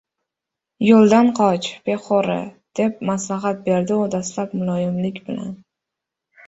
– Yoʻldan qoch, Pexura, – deb maslahat berdi u dastlab muloyimlik bilan.